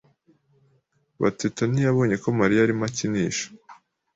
Bateta ntiyabonye ko Mariya arimo akinisha.